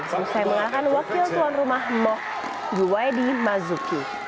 semestai mengalahkan wakil tuan rumah mok gwai di mazuki